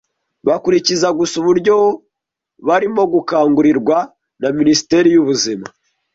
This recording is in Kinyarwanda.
bakurikiza gusa uburyo barimo gukangurirwa na Minisiteri y’Ubuzima